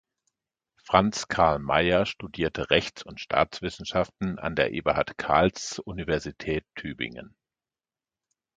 Franz Karl Maier studierte Rechts- und Staatswissenschaften an der Eberhard-Karls-Universität Tübingen.